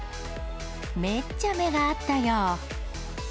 めっちゃ目が合ったよ。